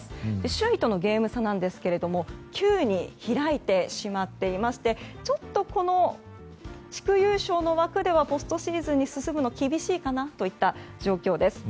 首位とのゲーム差ですが９に開いてしまっていましてちょっと、この地区優勝の枠ではポストシーズンに進むのは厳しいかなといった状況です。